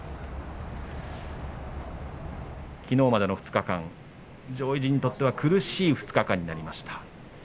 きのうまでの２日間上位陣にとっては苦しい２日間になりました。